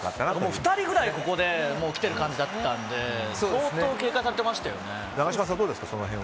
２人ぐらいでここで来ている感じだったので相当、警戒されていましたよね。